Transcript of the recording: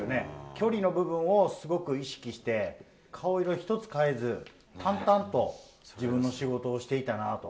距離の部分をすごく意識して、顔色一つ変えず、淡々と自分の仕事をしていたなと。